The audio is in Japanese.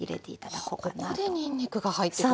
はあここでにんにくが入ってくる。